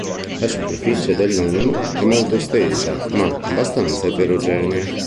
La superficie del non è molto estesa, ma abbastanza eterogenea.